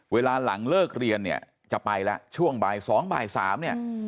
เวลาหลังเลิกเรียนเนี่ยจะไปแล้วช่วงบ่าย๒บ่าย๓เนี่ย